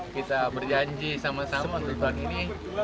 kita berjanji sama sama untuk tahun ini